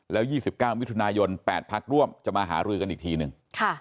แล้ว๒๙มิถุนายน๘พักร่วมจะมาหารือกันอีกทีหนึ่ง